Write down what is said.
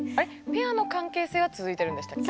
ペアの関係性は続いてるんでしたっけ？